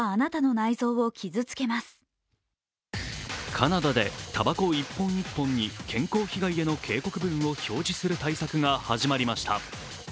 カナダでたばこ一本一本に健康被害への警告文を表示する対策が始まりました。